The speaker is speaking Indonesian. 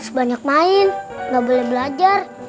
terus banyak main nggak boleh belajar